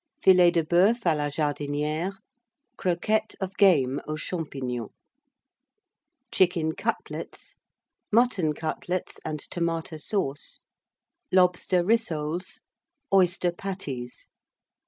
Filets de Boeuf à la Jardinière. Croquettes of Game aux Champignons. Chicken Cutlets. Mutton Cutlets and Tomata Sauce. Lobster Rissoles. Oyster Patties.